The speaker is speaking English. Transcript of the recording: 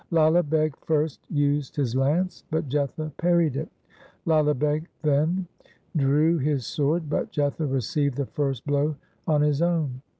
Lala Beg first used his lance, but Jetha parried it. Lala Beg then drew his sword, but Jetha received the first blow on his own.